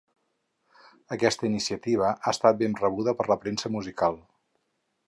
Aquesta iniciativa ha estat ben rebuda per la premsa musical.